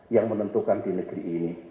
yang menentukan di negeri ini